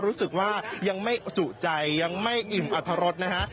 รู้สึกว่ายังไม่จุใจยังไม่อิ่มอรรถรสนะฮะ